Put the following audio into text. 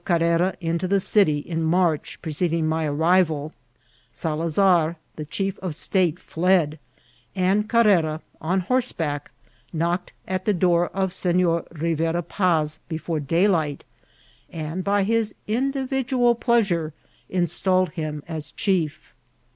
201 Carrera into the city, in March preceding my arrivaly Salaxar, the chief of the state, fled, and Carrera, on horseback, knocked at the door of Senor Rivera Paz before daylight, and, by his individoal pleasure, installed him as chief.